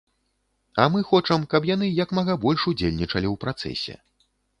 А мы хочам, каб яны як мага больш ўдзельнічалі ў працэсе.